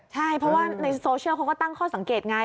ใช่เพราะว่าในโซเชียลเขาก็ตั้งข้อสังเกตไง